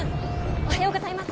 おはようございます。